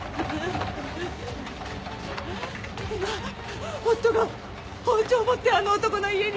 今夫が包丁を持ってあの男の家に。